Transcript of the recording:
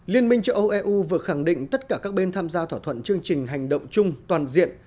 liên minh châu âu eu vừa khẳng định tất cả các bên tham gia thỏa thuận chương trình hành động chung toàn diện